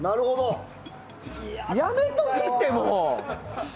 やめときって、もう！